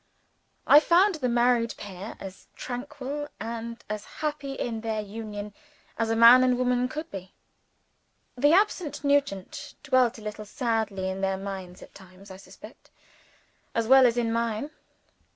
I found the married pair as tranquil and as happy in their union as a man and woman could be. The absent Nugent dwelt a little sadly in their minds at times, I suspect, as well as in mine.